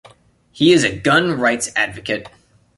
He is a gun rights advocate.